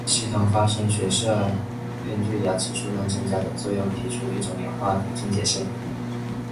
系统发生学假设根据牙齿数量增加的作用提出一种演化途径解释。